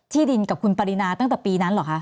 ดินกับคุณปรินาตั้งแต่ปีนั้นเหรอคะ